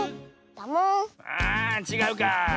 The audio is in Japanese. あちがうかあ。